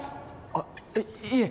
あっいいえ